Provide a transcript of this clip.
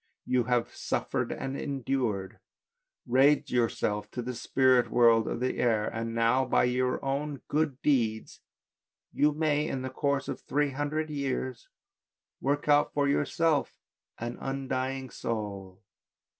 You have suffered and endured, raised yourself to the spirit world of the air; and now, by your own good deeds you may, in the course of three hundred years, work out for yourself an undying soul."